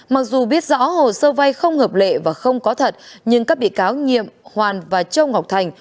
mặc dù biết rõ hồ sơ vay không hợp lệ và không có thật nhưng các bị cáo nhiệm hoàn và châu ngọc thành